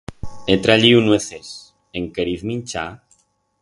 He trayiu nueces, en queriz minchar?